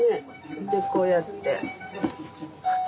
でこうやって。